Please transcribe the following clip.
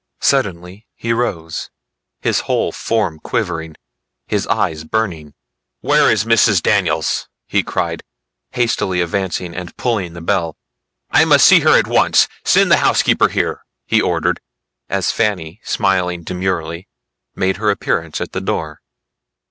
Suddenly he rose, his whole form quivering, his eyes burning. "Where is Mrs. Daniels?" he cried, hastily advancing and pulling the bell. "I must see her at once. Send the house keeper here," he ordered as Fanny smiling demurely made her appearance at the door.